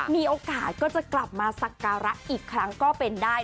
มีโอกาสก็จะกลับมาสักการะอีกครั้งก็เป็นได้